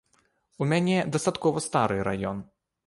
У мяне дастаткова стары раён.